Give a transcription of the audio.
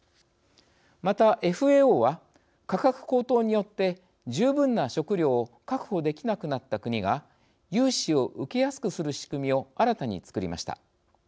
また、ＦＡＯは価格高騰によって十分な食料を確保できなくなった国が、融資を受けやすくする仕組みを新たに作りました。